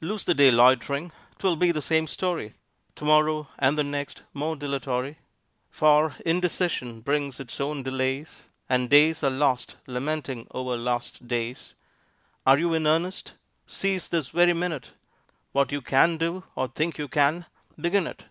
Lose the day loitering, 'twill be the same story To morrow, and the next more dilatory, For indecision brings its own delays, And days are lost lamenting o'er lost days. Are you in earnest? Seize this very minute! What you can do, or think you can, begin it!